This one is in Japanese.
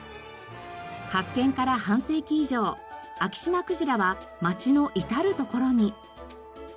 発見から半世紀以上アキシマクジラは町の至るところに。